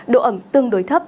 độ ẩm tương đối thấp